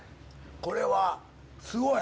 これはすごい。